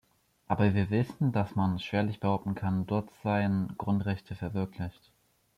Aber wir wissen, dass man schwerlich behaupten kann, dort seien Grundrechte verwirklicht.